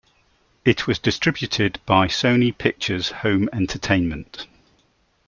It was distributed by Sony Pictures Home Entertainment.